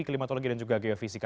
klimatologi dan juga geofisika